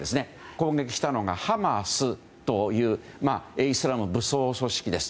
攻撃したのがハマスというイスラム武装組織です。